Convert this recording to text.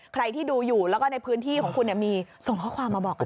ใครที่ดูอยู่แล้วก็ในพื้นที่ของคุณมีส่งข้อความมาบอกกัน